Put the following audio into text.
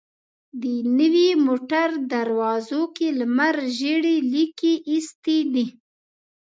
د نوې موټر دروازو کې لمر ژېړې ليکې ايستې وې.